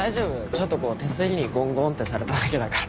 ちょっとこう手すりにゴンゴンってされただけだから。